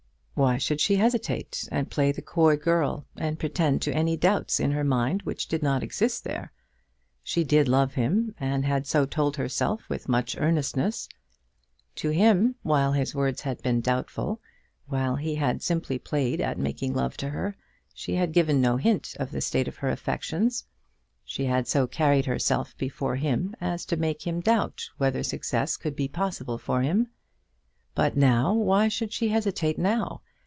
Why should she hesitate, and play the coy girl, and pretend to any doubts in her mind which did not exist there? She did love him, and had so told herself with much earnestness. To him, while his words had been doubtful, while he had simply played at making love to her, she had given no hint of the state of her affections. She had so carried herself before him as to make him doubt whether success could be possible for him. But now, why should she hesitate now?